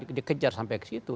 itu bisa dikejar sampai ke situ